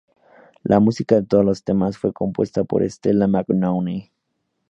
La música de todos los temas fue compuesta por Estela Magnone.